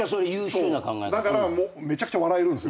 だからめちゃくちゃ笑えるんすよ。